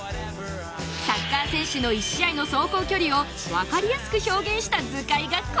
サッカー選手の１試合の走行距離をわかりやすく表現した図解がこちら！